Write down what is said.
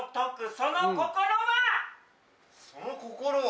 その心は？